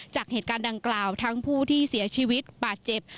จากเหตุการณ์ดังกล่าวทั้งผู้ที่เสียชีวิตบาดเจ็บ